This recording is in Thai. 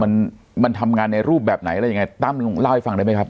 มันมันทำงานในรูปแบบไหนอะไรยังไงตั้มเล่าให้ฟังได้ไหมครับ